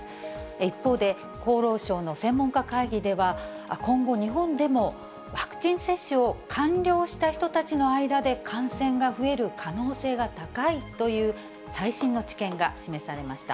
一方で、厚労省の専門家会議では、今後、日本でもワクチン接種を完了した人たちの間で、感染が増える可能性が高いという、最新の知見が示されました。